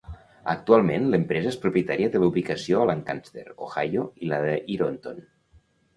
Actualment, l'empresa és propietària de la ubicació a Lancaster, Ohio i la d'Ironton.